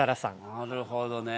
なるほどね。